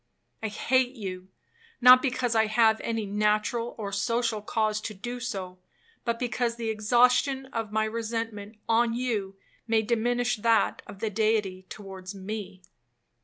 I hate you, not because I have any natural or social cause to do so, but because the exhaustion of my resentment on you, may diminish that of the Deity towards me.